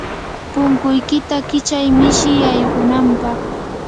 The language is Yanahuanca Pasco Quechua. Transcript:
punkuykita kichay mishi yaykunapaq.